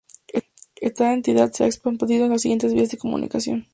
Esta entidad se ha expandido siguiendo las vías de comunicación.